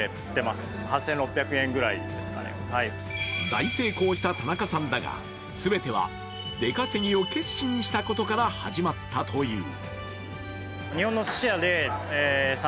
大成功した田中さんだが、全ては出稼ぎを決心したことから始まったという。